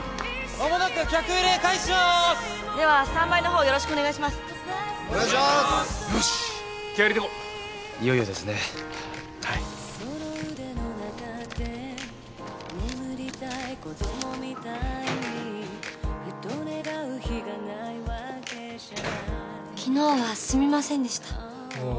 ・昨日はすみませんでした。